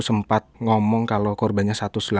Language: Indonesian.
sempat ngomong kalau korbannya satu ratus delapan puluh